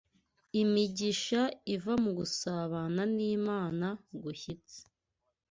imigisha iva mu gusabana n’Imana gushyitse